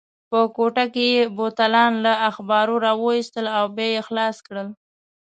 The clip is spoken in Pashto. په کوټه کې یې بوتلان له اخبارو راوایستل او بیا یې خلاص کړل.